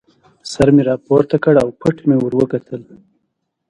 سر مې را پورته کړ او پټ مې ور وکتل.